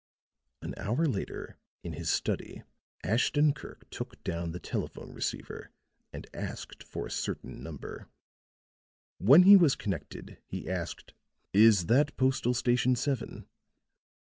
An hour later, in his study, Ashton Kirk took down the telephone receiver and asked for a certain number. When he was connected he asked: "Is that Postal Station Seven?"